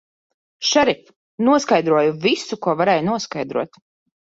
Šerif, noskaidroju visu, ko varēja noskaidrot.